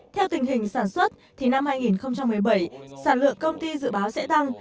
theo tình hình sản xuất thì năm hai nghìn một mươi bảy sản lượng công ty dự báo sẽ tăng